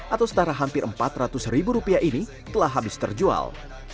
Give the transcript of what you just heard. atau setara hampir empat ratus ribu rupiah ini telah habis terjual